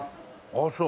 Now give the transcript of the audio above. ああそう。